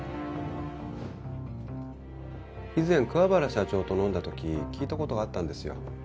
以前桑原社長と飲んだ時聞いた事があったんですよ。